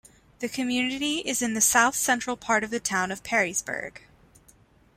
The community is in the south-central part of the town of Perrysburg.